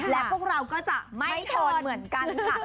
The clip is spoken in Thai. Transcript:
และพวกเราก็จะไม่ทนเหมือนกันค่ะ